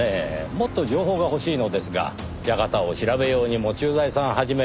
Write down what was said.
もっと情報が欲しいのですが館を調べようにも駐在さん始め